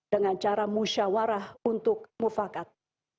dengan cara musyawarah untuk mufakat